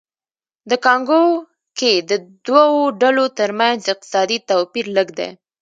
د کانګو کې د دوو ډلو ترمنځ اقتصادي توپیر لږ دی